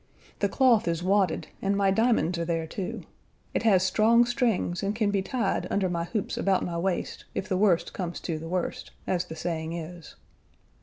The cloth is wadded and my diamonds are there, too. It has strong strings, and can be tied under my hoops about my waist if the worst comes to the worst, as the saying is.